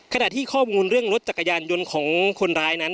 ขณะที่ข้อมูลเรื่องรถจักรยานยนต์ของคนร้ายนั้น